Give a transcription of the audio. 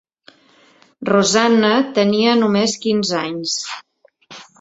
Rosanna tenia només quinze anys.